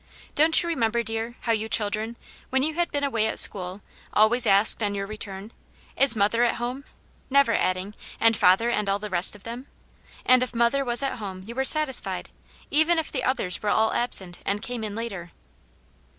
Don't you remember, dear, how you children, when you had been away at school, always asked, on your return, ' Is mother at home ?' never adding, ' and father and all the rest of them.* And if mother was at home you were satisfied, even if the others were all absent, and came in later."